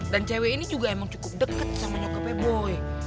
dan cewek ini juga emang cukup deket sama nyokapnya boy